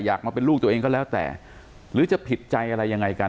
อยากมาเป็นลูกตัวเองก็แล้วแต่หรือจะผิดใจอะไรยังไงกัน